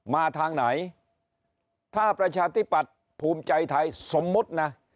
มาทางไหนถ้าประชาธิปัตย์ภูมิใจไทยสมมุตินะ